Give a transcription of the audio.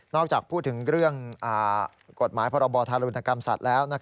จากพูดถึงเรื่องกฎหมายพรบธารุณกรรมสัตว์แล้ว